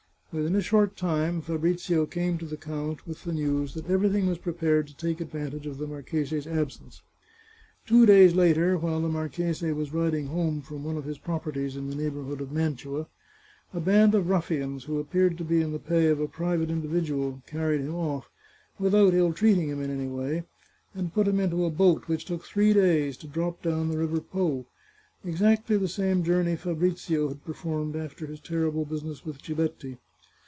" Within a short time Fabrizio came to the count with the news that everything was prepared to take advantage of the marchese's absence. Two days later, while the marchese was riding home from one of his properties in the neighbourhood of Mantua, a band of ruffians, who appeared to be in the pay of a private individual, carried him off, without ill treating him in any way, and put him into a boat which took three days to drop down the river Po — exactly the same journey Fabrizio had performed after his terrible business with Giletti.